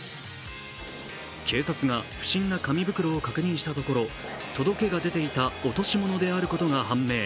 警察が不審な紙袋を確認したところ届けが出ていた落としものであることが判明。